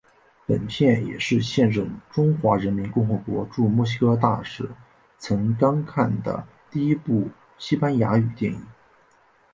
本片也是现任中华人民共和国驻墨西哥大使曾钢看的第一部西班牙语电影。